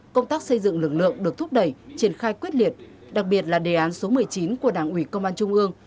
công tác xây dựng lực lượng được thúc đẩy triển khai quyết liệt đặc biệt là đề án số một mươi chín của đảng ủy công an trung ương